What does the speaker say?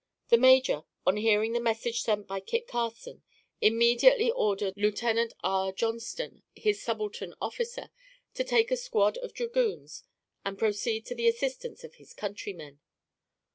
The major, on hearing the message sent by Kit Carson, immediately ordered Lieutenant R. Johnston, his subaltern officer, to take a squad of dragoons and proceed to the assistance of his countrymen.